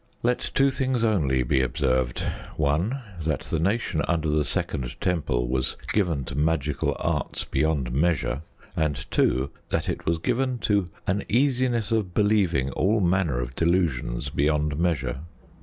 Let two things only be observed: (1) That the nation under the Second Temple was given to magical arts beyond measure; and (2) that it was given to an easiness of believing all manner of delusions beyond measure...